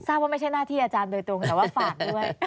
ว่าไม่ใช่หน้าที่อาจารย์โดยตรงแต่ว่าฝากด้วย